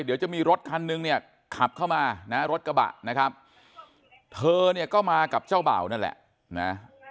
เดี๋ยวจะมีรถคันนึงเนี่ยขับเข้ามานะรถกระบะนะครับเธอเนี่ยก็มากับเจ้าเบ่านั่นแหละนะ